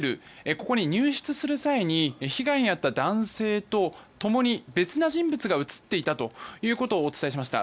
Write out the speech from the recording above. ここに入室する際に被害に遭った男性と共に別の人物が映っていたということをお伝えしました。